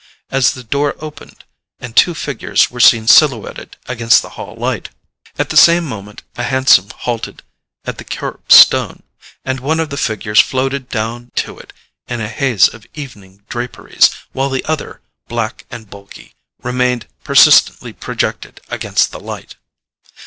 as the door opened and two figures were seen silhouetted against the hall light. At the same moment a hansom halted at the curb stone, and one of the figures floated down to it in a haze of evening draperies; while the other, black and bulky, remained persistently projected against the light.